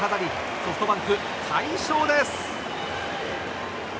ソフトバンク、大勝です。